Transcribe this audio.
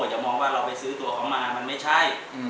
จะมองว่าเราไปซื้อตัวเขามามันไม่ใช่